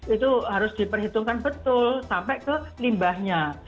itu harus diperhitungkan betul sampai ke limbahnya